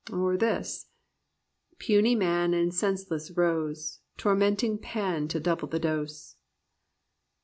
Or this: "Puny man and scentless rose Tormenting Pan to double the dose."